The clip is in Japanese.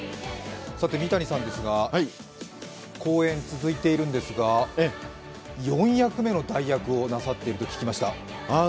三谷さんですが公演続いているんですが４役目の代役をやっていると聞きました。